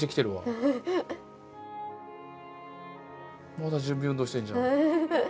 まだ準備運動してるじゃん。